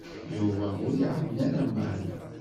Yuba ur iɛawen ara Mary.